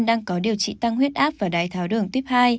đang có điều trị tăng huyết áp và đai tháo đường tiếp hai